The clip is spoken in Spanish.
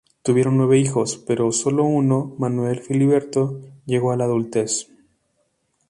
Tuvieron nueve hijos, pero solo uno Manuel Filiberto llegó a la adultez.